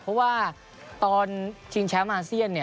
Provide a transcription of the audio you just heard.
เพราะว่าตอนชิงแชมป์อาเซียน